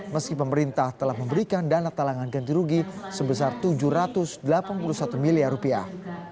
meski pemerintah telah memberikan dana talangan ganti rugi sebesar tujuh ratus delapan puluh satu miliar rupiah